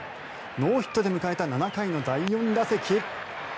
ノーヒットで迎えた７回の第４打席。